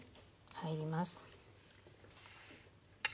入ります。